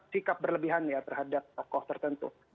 sikap berlebihan ya terhadap tokoh tertentu